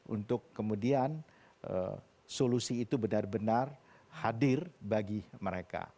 untuk kemudian solusi itu benar benar hadir bagi mereka